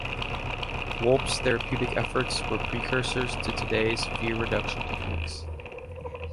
Wolpe's therapeutic efforts were precursors to today's fear reduction techniques.